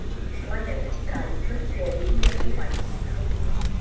Laiane, Kaio, Francieli, Ryan e Maycon